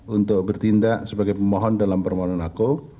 untuk bertindak sebagai pemohon dalam permohonan aku